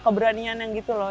keberanian yang gitu loh